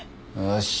よし。